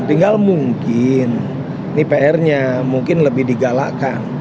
tinggal mungkin ini prnya mungkin lebih digalakkan